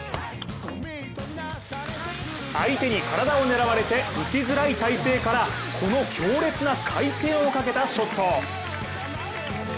相手に体を狙われて打ちづらい体勢からこの強烈な回転をかけたショット。